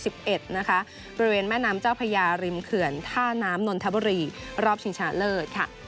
บริเวณแม่น้ำเจ้าพญาริมเขื่อนท่าน้ำนนทบุรีรอบชิงชนะเลิศค่ะ